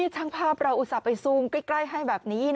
ฉันว่าประอุตส่าห์ไปซุมใกล้ให้แบบนี้นะ